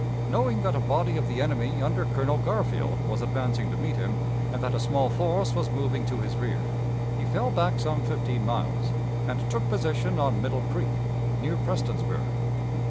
Knowing that a body of the enemy under Colonel Garfield was advancing to meet him, and that a small force was moving to his rear, he fell back some fifteen miles, and took position on Middle Creek, near Prestonsburg.